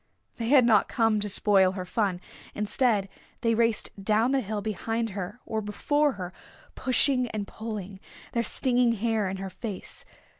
They had not come to spoil her fun. Instead they raced down the hill behind her or before her, pushing and pulling, their stinging hair in her face.